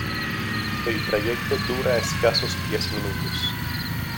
El trayecto dura escasos diez minutos.